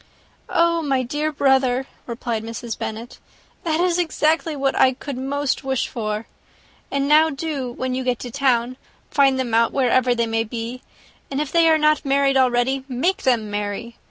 "Oh, my dear brother," replied Mrs. Bennet, "that is exactly what I could most wish for. And now do, when you get to town, find them out, wherever they may be; and if they are not married already, make them marry.